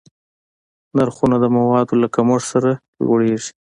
نرخونه د موادو له کمښت سره لوړېږي.